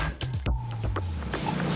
gak ada apa apa